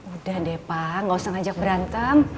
udah deh pak gak usah ngajak berantem